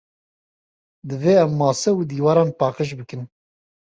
Divê em mase û dîwaran paqij bikin.